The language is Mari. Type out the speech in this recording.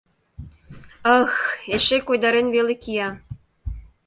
— Ых-х, эше койдарен веле кия!